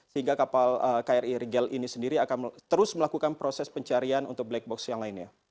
sehingga kapal kri rigel ini sendiri akan terus melakukan proses pencarian untuk black box yang lainnya